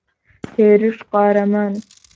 هێرش قارەمانە.